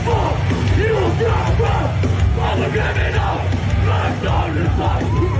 โอ้ยใครจะตีกัน